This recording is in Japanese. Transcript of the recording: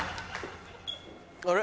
あれ？